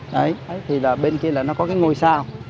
đấy thì là bên kia là nó có cái ngôi sao